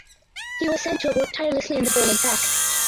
He was said to have worked "tirelessly" in the forward pack.